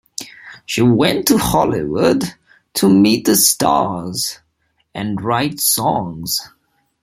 She went to Hollywood to meet the stars, and write songs.